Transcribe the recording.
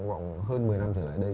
vòng hơn một mươi năm trở lại đây